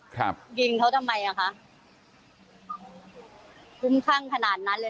ครับยิงเขาทำไมอ่ะคะคุ้มคลั่งขนาดนั้นเลย